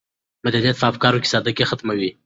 مدنیت په افکارو کې سادګي ختموي.